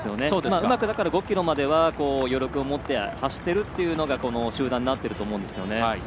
うまく５ｋｍまでは余力を持って走ってるっていうのがこの集団になっていると思うんですが。